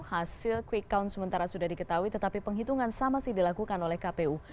hasil quick count sementara sudah diketahui tetapi penghitungan sama sih dilakukan oleh kpu